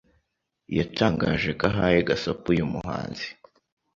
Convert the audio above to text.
yatangaje ko ahaye gasopo uyu muhanzi